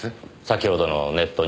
先ほどのネット